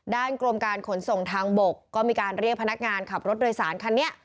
กรมการขนส่งทางบกก็มีการเรียกพนักงานขับรถโดยสารคันนี้